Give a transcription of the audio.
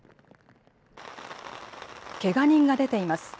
けが人が出ています。